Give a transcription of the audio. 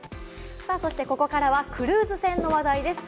ここからはクルーズ船の話題です。